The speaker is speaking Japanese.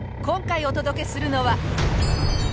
今回お届けするのは。